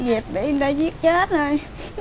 diệp bị người ta giết chết rồi